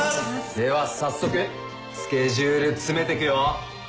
では早速スケジュール詰めてくよ。